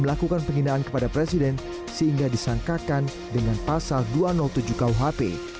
melakukan penghinaan kepada presiden sehingga disangkakan dengan pasal dua ratus tujuh kuhp